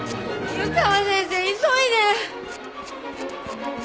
急いで！